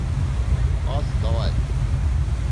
Ас, давай!